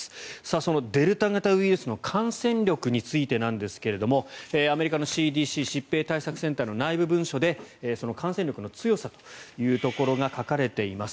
そのデルタ型ウイルスの感染力についてなんですがアメリカのＣＤＣ・疾病対策センターの内部文書で、その感染力の強さが書かれています。